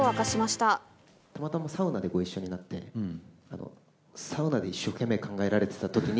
たまたまサウナでご一緒になって、サウナで一生懸命考えられてたときに。